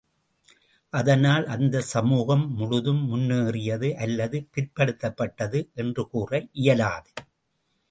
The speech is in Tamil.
அதனால் அந்தச் சமூகம் முழுதும் முன்னேறியது அல்லது பிற்படுத்தப்பட்டது என்று கூற இயலாது.